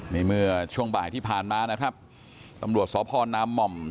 นี่เมื่อช่วงบ่ายที่ผ่านมานะครับตำรวจสพนามหม่อม